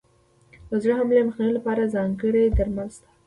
د زړه حملې مخنیوي لپاره ځانګړي درمل شته.